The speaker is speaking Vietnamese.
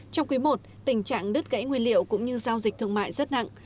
trong quý i tình trạng đứt gãy nguyên liệu cũng như giao dịch thương mại rất nặng